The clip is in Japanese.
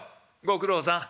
「ご苦労さん。